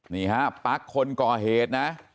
นี่ฮะปั๊กคนก่อเหตุนะ